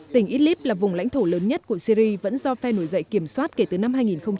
tỉnh idlib là vùng lãnh thổ lớn nhất của syri vẫn do phe nổi dậy kiểm soát kể từ năm hai nghìn một mươi